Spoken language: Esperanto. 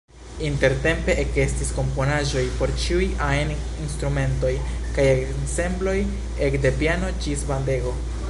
Intertempe ekestis komponaĵoj por ĉiuj ajn instrumentoj kaj ensembloj, ekde piano ĝis bandego.